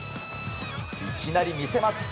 いきなり見せます。